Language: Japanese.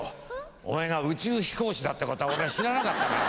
おめえが宇宙飛行士だってこと俺は知らなかったなあ。